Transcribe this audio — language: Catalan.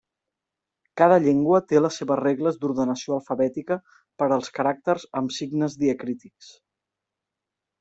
Cada llengua té les seves regles d'ordenació alfabètica per als caràcters amb signes diacrítics.